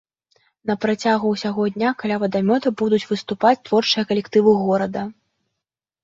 На працягу ўсяго дня каля вадамёта будуць выступаць творчыя калектывы горада.